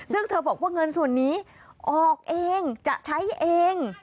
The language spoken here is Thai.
ซึ่งเธอบอกว่าเงินส่วนนี้ออกเองจะใช้เอง